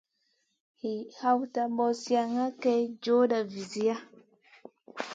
Wi hawta ɓozioŋa kay joona viziya.